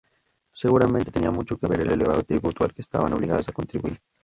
Seguramente tenía mucho que ver el elevado tributo al que estaban obligadas a contribuir.